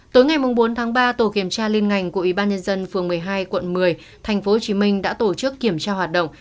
tối ngày bốn tháng ba tổ kiểm tra liên ngành của ybnd phường một mươi hai quận một mươi tp hcm đã tổ chức kiểm tra hoạt động